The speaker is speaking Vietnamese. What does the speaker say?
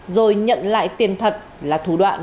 rồi nhận lại tiền thật là thủ đoạn